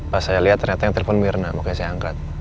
pas saya lihat ternyata yang telepon mirna makanya saya angkat